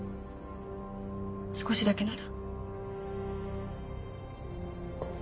少しだけなら。